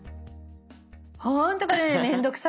ほんとこれね面倒くさかったの。